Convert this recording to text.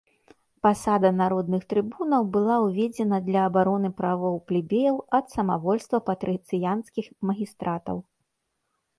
Пасада народных трыбунаў была ўведзена для абароны правоў плебеяў ад самавольства патрыцыянскіх магістратаў.